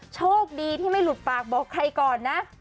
โชคดีที่ไม่หลุดปากบอกใครก่อนนะ